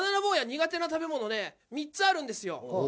苦手な食べ物ね３つあるんですよ